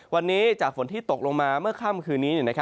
วันนี้จากฝนที่ตกลงมาเมื่อค่ำคืนนี้